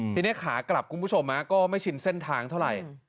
ทีนี้ขากลับก็ไม่ชินเส้นทางเท่าไหร่